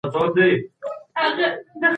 بهرنۍ پالیسي د نړیوالو اصولو درناوی نه ردوي.